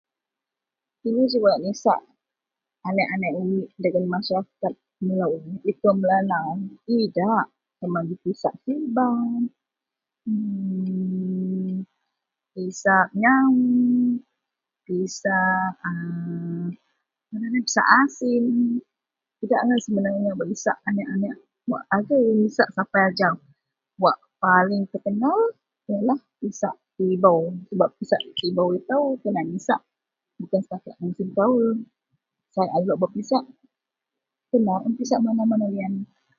Ino ji wak nisak anek-anek umit dagen masarakat melo liko Melanau idak sama ji pisak siban pisak ngawo pisak asin idak angai sebenarnya nisak anek umit sapai ajau wak paling terkenal ienlah pisak tibou, isak tibou ito nisak musim kawol sai a lok pisak kena un pisak mana-mana liyan.